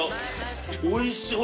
おいしい。